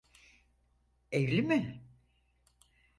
Evli mi?